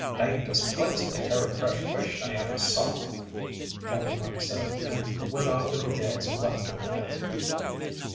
"Dangdest place to carry fresh fish I ever saw," Cap'n Mike said, and went off into gales of laughter again.